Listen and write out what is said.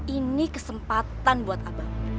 ini kesempatan buat abang